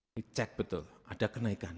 ini cek betul ada kenaikan